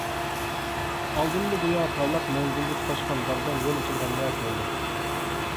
ئالدىمدا گويا پارلاق مەنزىلگە تۇتاشقان داغدام يول ئېچىلغاندەك بولدى.